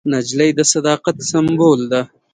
نجلۍ د صداقت سمبول ده.